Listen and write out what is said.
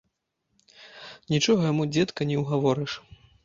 Нічога яму, дзедка, не ўгаворыш.